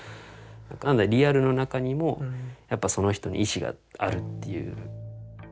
なのでリアルの中にもやっぱその人に意思があるっていう。